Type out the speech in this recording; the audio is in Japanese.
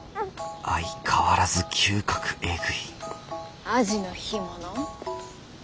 相変わらず嗅覚エグいアジの干物？